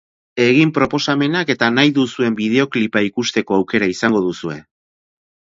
Egin proposamenak eta nahi duzuen bideoklipa ikusteko aukera izango duzue!